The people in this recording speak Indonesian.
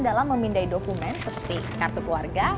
dalam memindai dokumen seperti kartu keluarga